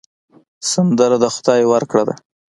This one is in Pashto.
سندره د خدای ورکړه ده